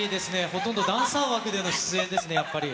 ほとんどダンサー枠での出演ですね、やっぱり。